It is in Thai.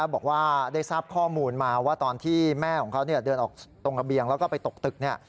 บอกว่าได้ทราบข้อมูลมาว่าตอนที่แม่ของเขาเดินออกตรงระเบียงแล้วก็ไปตกตึก